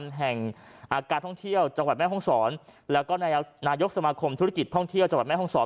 จังหวัดแม่ฮ่องศรแล้วก็นายกสมคมธุรกิจท่องเที่ยวจังหวัดแม่ฮ่องศร